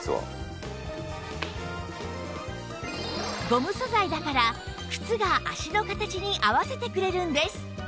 ゴム素材だから靴が足の形に合わせてくれるんです